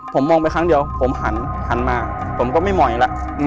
ผมมองไปครั้งเดียวผมหันมาผมก็ไม่มองอีกแล้ว